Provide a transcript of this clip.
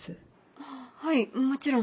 あぁはいもちろん。